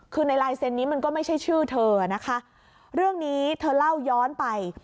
คือในลายเซ็นต์นี้มันก็ไม่ใช่ชื่อเธอนะคะเรื่องนี้เธอเล่าย้อนไป